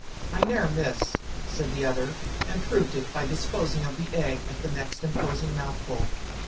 "I ne'er miss," said the other, and proved it by disposing of the egg at the next imposing mouthful.